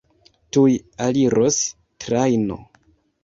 Tuj aliros trajno.